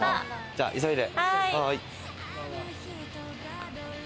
じゃあ急いで。